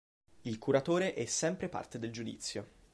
Il curatore è sempre parte del giudizio.